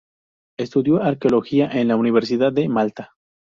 Estudió arqueología en la Universidad de Malta.